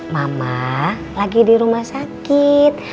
mama lagi di rumah sakit